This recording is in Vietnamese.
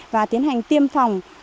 và tiến hành tiêm phòng